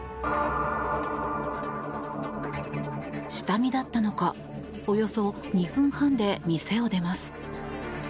下見だったのかおよそ２分半で店を出ます。